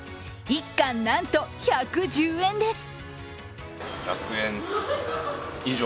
１貫なんと１１０円です。